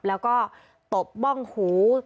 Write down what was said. แล้วก็ตบบ้องหู